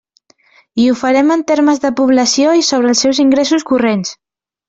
I ho farem en termes de població i sobre els seus ingressos corrents.